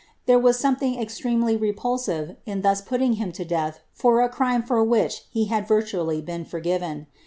There was something extremely repulsive in thus putting him to death for a crime for which he had virtually been forgiven.